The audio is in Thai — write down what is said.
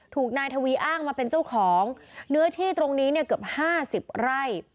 ถูกนายทวีอ้างมาเป็นเจ้าของเนื้อที่ตรงนี้เนี่ยเกือบ๕๐ไร่